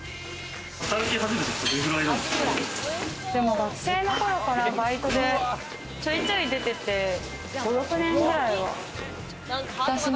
学生の頃からバイトでちょいちょい出てて５６年ぐらいは。